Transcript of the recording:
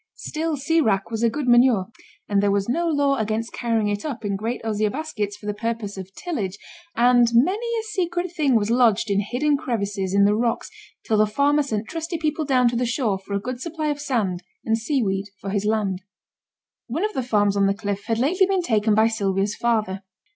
Still sea wrack was a good manure, and there was no law against carrying it up in great osier baskets for the purpose of tillage, and many a secret thing was lodged in hidden crevices in the rocks till the farmer sent trusty people down to the shore for a good supply of sand and seaweed for his land. One of the farms on the cliff had lately been taken by Sylvia's father.